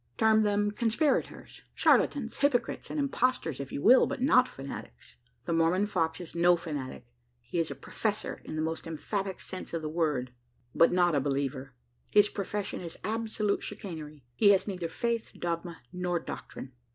Term them conspirators, charlatans, hypocrites, and impostors, if you will, but not fanatics. The Mormon fox is no fanatic: he is a professor in the most emphatic sense of the word, but not a believer. His profession is absolute chicanery he has neither faith, dogma, nor doctrine.